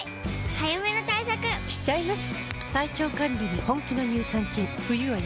早めの対策しちゃいます。